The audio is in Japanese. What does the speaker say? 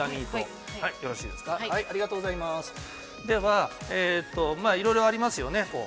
では、いろいろありますよね。